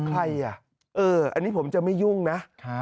ใครอ่ะเอออันนี้ผมจะไม่ยุ่งนะ